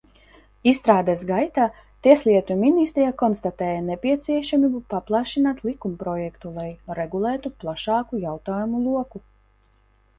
Izstrādes gaitā Tieslietu ministrija konstatēja nepieciešamību paplašināt likumprojektu, lai regulētu plašāku jautājumu loku.